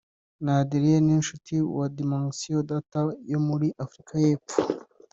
na Adrien Niyonshuti wa Dimension data yo muri Afurika y’Epfo